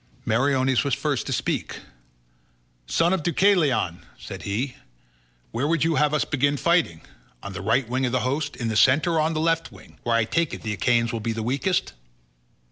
Meriones was first to speak. "Son of Deucalion," said he, "where would you have us begin fighting? On the right wing of the host, in the centre, or on the left wing, where I take it the Achaeans will be weakest?"